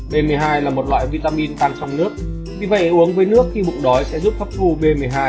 b một mươi hai là một loại vitamin tan trong nước vì vậy uống với nước khi mục đói sẽ giúp hấp thu b một mươi hai